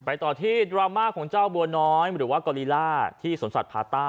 ต่อที่ดราม่าของเจ้าบัวน้อยหรือว่ากอลีล่าที่สวนสัตว์พาต้า